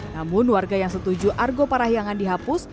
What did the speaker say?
namun warga yang setuju argo parah yang akan dihapus